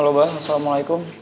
halo bah assalamualaikum